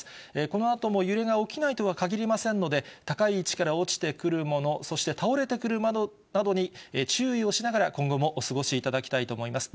このあとも揺れが起きないとは限りませんので、高い位置から落ちてくる物、そして倒れてくる物などに注意をしながら、今後もお過ごしいただきたいと思います。